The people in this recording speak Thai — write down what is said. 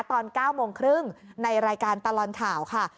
ตอน๙โมงครึ่งในรายการตลอดข่าวค่ะ